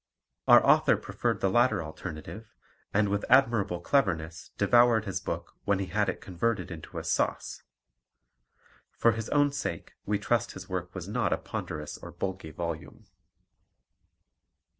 Our author preferred the latter alternative, and with admirable cleverness devoured his book when he had converted it into a sauce. For his own sake we trust his work was not a ponderous or bulky volume.